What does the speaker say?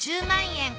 １００万円！